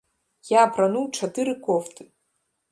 Я апрануў чатыры кофты!